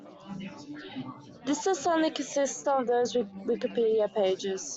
This list only consists of those with Wikipedia pages.